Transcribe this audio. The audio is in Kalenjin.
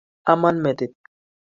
amon metit